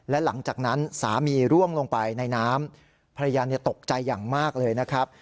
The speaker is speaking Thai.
และหลังจากนั้นสามีร่วงลงไปในน้ำภรรยาตกใจอย่างมากเลยนะครับ